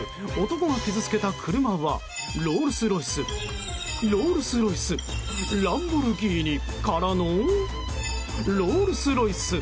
男が傷つけた車はロールスロイス、ロールスロイスランボルギーニからのロールスロイス！